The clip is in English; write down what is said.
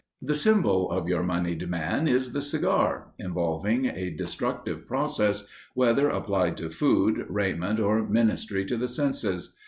The symbol of your monied man is the cigar, involving a destructive process, whether applied to food, raiment or ministry to the senses.